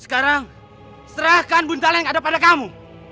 sekarang serahkan buntalan yang ada pada kamu